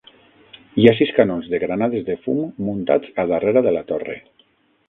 Hi ha sis canons de granades de fum muntats a darrera de la torre.